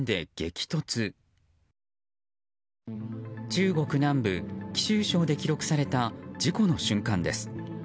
中国南部貴州省で記録された事故の瞬間です。